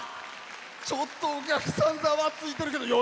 ちょっとお客さん、ざわついてるけど。